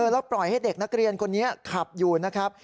แล้วปล่อยให้เด็กนักเรียนคนนี้ขับอยู่นะครับ